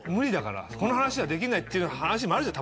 この話はできないっていう話もあるじゃん